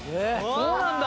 そうなんだ。